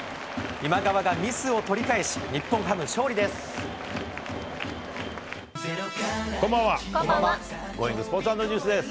今川がミスを取り返し、日本ハム勝利です。